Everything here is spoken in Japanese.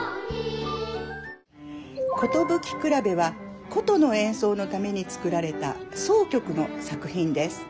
「寿くらべ」は箏の演奏のために作られた箏曲の作品です。